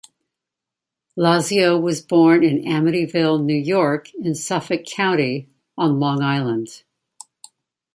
Lazio was born in Amityville, New York, in Suffolk County, on Long Island.